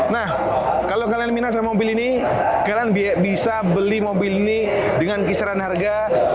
nah kalau kalian minat sama mobil ini kalian bisa beli mobil ini dengan kisaran harga